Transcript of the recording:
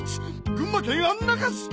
群馬県安中市！